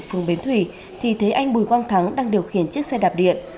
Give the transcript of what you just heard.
phường bến thủy thì thấy anh bùi quang thắng đang điều khiển chiếc xe đạp điện